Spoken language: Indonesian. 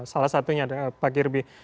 salah satunya pak girby